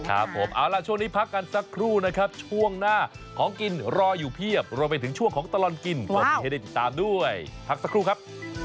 ครับผมเอาล่ะช่วงนี้พักกันสักครู่นะครับช่วงหน้าของกินรออยู่เพียบรวมไปถึงช่วงของตลอดกินก็มีให้ได้ติดตามด้วยพักสักครู่ครับ